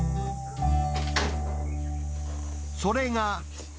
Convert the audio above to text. それが。